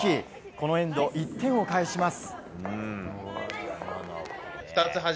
このエンド１点を返します。